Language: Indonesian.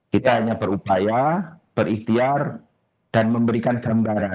kita hanya berupaya berikhtiar dan memberikan gambaran